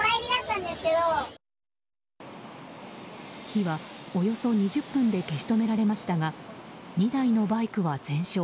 火はおよそ２０分で消し止められましたが２台のバイクは全焼。